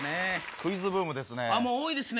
クイズブームですね。